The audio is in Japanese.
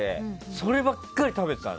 そればっかり食べてたの。